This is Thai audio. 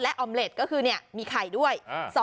และออมเมลดมีไข่ด้วย